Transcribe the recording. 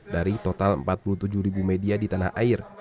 dari total empat puluh tujuh ribu media di tanah air